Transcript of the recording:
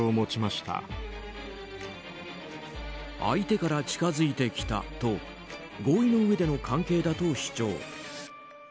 相手から近付いてきたと合意の上での関係だと主張。